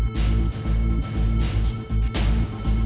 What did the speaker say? สวัสดีครับที่ได้รับความรักของคุณ